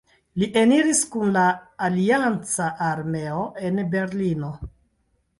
Li eniris kun la alianca armeo en Berlino.